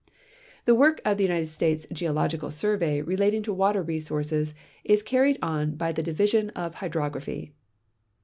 'I'he Work of the United States (Jeological Survey n'lating to water resources is carried on by the Division of 1 Ivdrograidiy.